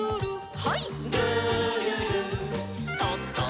はい。